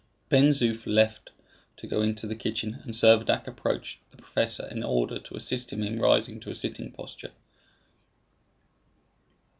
Ben Zoof left to go into the kitchen, and Servadac approached the professor in order to assist him in rising to a sitting posture.